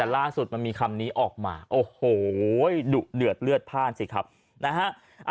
ล่าสุดมันมีคำนี้ออกมาโอ้โหดุเดือดเลือดพ่านสิครับนะฮะ